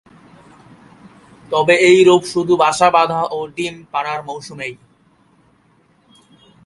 তবে এই রূপ শুধু বাসা বাঁধা ও ডিম পাড়ার মৌসুমেই।